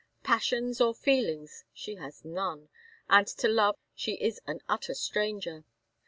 Passions or feelings she has none, and to love she is an utter stranger.